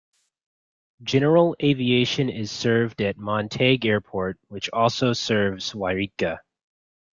General aviation is served at Montague Airport, which also serves Yreka.